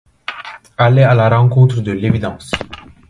Aller à la rencontre de l’évidence.